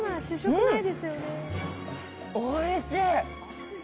おいしい。